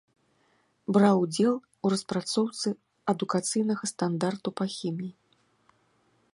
Браў удзел у распрацоўцы адукацыйнага стандарту па хіміі.